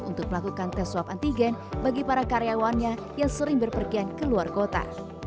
untuk melakukan tes swab antigen bagi para karyawannya yang sering berpergian ke luar kota